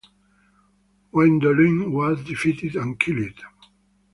Gwenddoleu was defeated and killed.